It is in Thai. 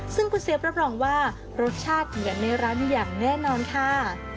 ซึ่งคุณเซฟรับรองว่ารสชาติเหมือนในร้านอย่างแน่นอนค่ะ